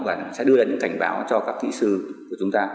và sẽ đưa ra những cảnh báo cho các kỹ sư của chúng ta